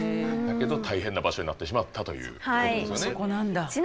だけど大変な場所になってしまったということですよね。